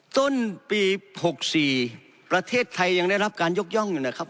ต้นปี๖๔ประเทศไทยยังได้รับการยกย่องอยู่นะครับ